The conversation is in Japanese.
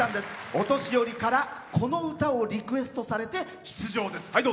お年寄りからこの歌をリクエストされ出場です。